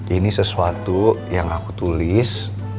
ini sesuatu yang aku tulis